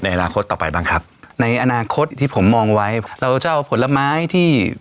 อนาคตต่อไปบ้างครับในอนาคตที่ผมมองไว้เราจะเอาผลไม้ที่